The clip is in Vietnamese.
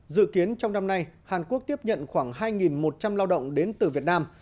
dự kiến trong năm nay hàn quốc tiếp nhận khoảng hai một trăm linh lao động đến từ việt nam